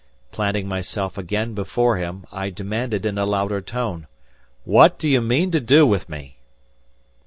Planting myself again before him, I demanded in a louder tone, "What do you mean to do with me?"